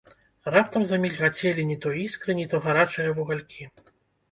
Раптам замільгацелі ні то іскры, ні то гарачыя вугалькі.